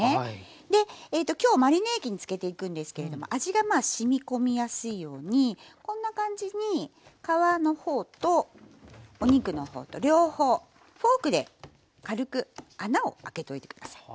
で今日マリネ液に漬けていくんですけれども味がまあしみこみやすいようにこんな感じに皮の方とお肉の方と両方フォークで軽く穴を開けといて下さい。